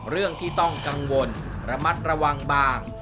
เรื่องที่ต้องกังวลระมัดระวังบาง